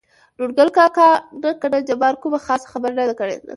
نورګل کاکا: نه کنه جباره کومه خاصه خبره نه ده.